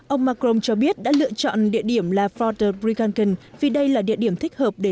ông macron cho biết đã lựa chọn địa điểm là fort de brinkhagen vì đây là địa điểm thích hợp để